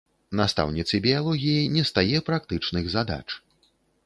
Настаўніцы біялогіі не стае практычных задач.